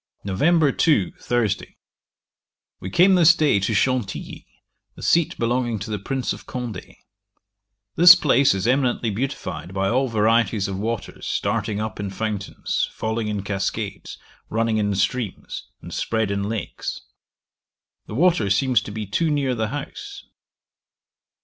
'Nov. 2. Thursday. We came this day to Chantilly, a seat belonging to the Prince of Condé. This place is eminently beautified by all varieties of waters starting up in fountains, falling in cascades, running in streams, and spread in lakes. The water seems to be too near the house.